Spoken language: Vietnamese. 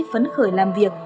phấn khởi làm việc